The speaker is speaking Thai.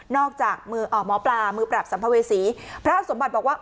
อกจากมือหมอปลามือปราบสัมภเวษีพระสมบัติบอกว่า